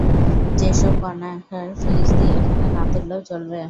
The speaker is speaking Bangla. সেসব কণার ফিরিস্তি এখানে না তুললেও চলবে।